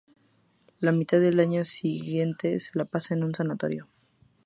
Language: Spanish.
La mitad del año siguiente la pasa en un sanatorio.